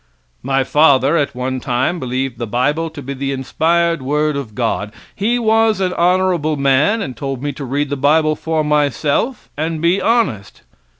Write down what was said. My father at one time believed the bible to be the inspired word of God. He was an honorable man, and told me to read the bible for myself and be honest.